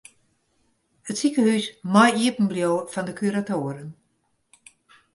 It sikehús mei iepen bliuwe fan de kuratoaren.